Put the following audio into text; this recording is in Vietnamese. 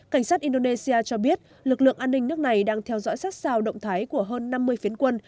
cảnh sát indonesia cho biết lực lượng an ninh nước này đang theo dõi sát sao động thái của hơn năm mươi phiến quân